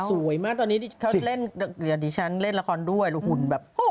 สวยมากตอนนี้เขาเล่นกับดิฉันเล่นละครด้วยแล้วหุ่นแบบ